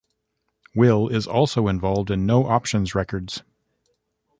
Will is also involved in No Options Records.